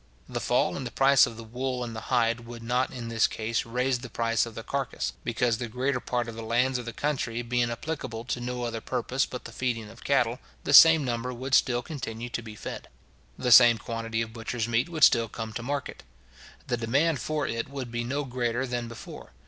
The fall in the price of the wool and the hide would not in this case raise the price of the carcase; because the greater part of the lands of the country being applicable to no other purpose but the feeding of cattle, the same number would still continue to be fed. The same quantity of butcher's meat would still come to market. The demand for it would be no greater than before.